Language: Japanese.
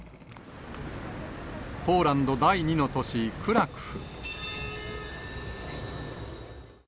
ポーランド第２の都市クラクフ。